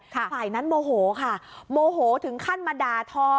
ฝ่ายนั้นโมโหค่ะโมโหถึงขั้นมาด่าทอ